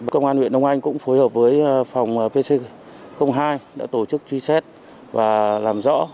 công an huyện đông anh cũng phối hợp với phòng pc hai đã tổ chức truy xét và làm rõ